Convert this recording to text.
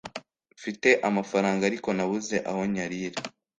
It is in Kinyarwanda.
Mfite amafaranga ariko nabuze aho nyarira